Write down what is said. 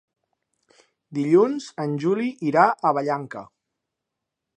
Dilluns en Juli irà a Vallanca.